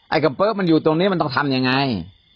กระเปิ๊บมันอยู่ตรงนี้มันต้องทำยังไง